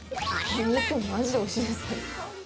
お肉、マジでおいしいですね。